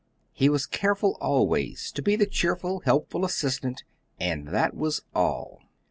He was careful always to be the cheerful, helpful assistant and that was all.